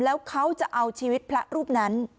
แล้วเขาจะเอาชีวิตพระรูปนั้น